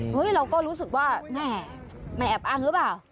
เราก็รู้สึกว่าแม่ไม่แอบอ้างหรือเปล่า